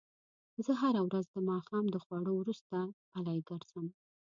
زه هره ورځ د ماښام د خوړو وروسته پلۍ ګرځم